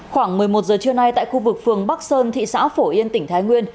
khoảng một mươi một giờ trưa nay tại khu vực phường bắc sơn thị xã phổ yên tỉnh thái nguyên